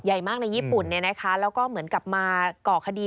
ใหญ่มากในญี่ปุ่นแล้วก็เหมือนกลับมาก่อคดี